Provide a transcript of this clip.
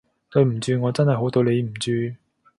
對唔住，我真係好對你唔住